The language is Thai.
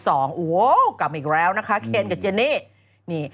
โอ้โหกลับมาอีกแล้วนะคะเคนกับเจนี่นี่